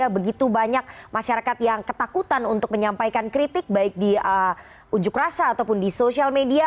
begitu banyak masyarakat yang ketakutan untuk menyampaikan kritik baik di ujuk rasa ataupun di sosial media